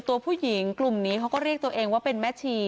ตัวผู้หญิงกลุ่มนี้เขาก็เรียกตัวเองว่าเป็นแม่ชี